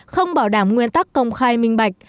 không bảo đảm nguyên tắc công khai minh bạch